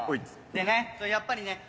でねやっぱりね。